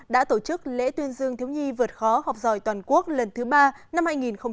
đã tổ chức lễ tuyên dương thiếu nhi vượt khó học giỏi toàn quốc lần thứ ba năm hai nghìn hai mươi